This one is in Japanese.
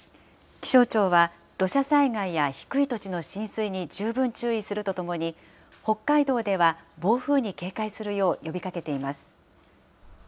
気象庁は、土砂災害や低い土地の浸水に十分注意するとともに、北海道では暴風に警戒するよう呼びかけています。